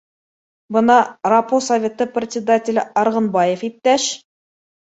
Бына РАПО советы председателе Арғынбаев иптәш